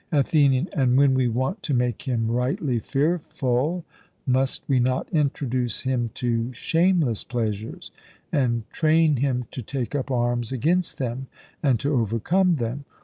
ATHENIAN: And when we want to make him rightly fearful, must we not introduce him to shameless pleasures, and train him to take up arms against them, and to overcome them?